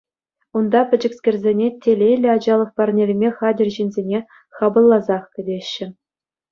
Унта пӗчӗкскерсене телейлӗ ачалӑх парнелеме хатӗр ҫынсене хапӑлласах кӗтеҫҫӗ.